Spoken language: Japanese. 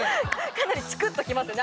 かなりチクッと来ますよね